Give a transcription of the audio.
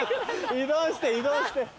移動して移動して。